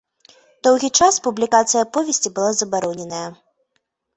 Доўгі час публікацыя аповесці была забароненая.